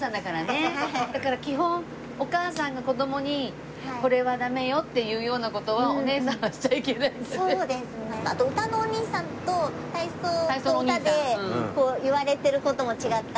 だから基本お母さんが子どもにこれはダメよって言うような事はおねえさんはしちゃいけないんだね。あとうたのおにいさんと体操と歌で言われている事も違ったりとか。